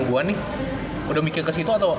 gua nih udah mikir kesitu atau